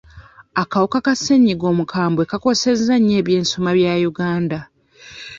Akawuka ka ssenyiga omukambwe kakoseza nnyo eby'ensoma bya Uganda.